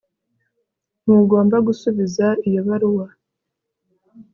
Ntugomba gusubiza iyo baruwa